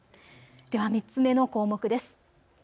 では３つ目の項目です。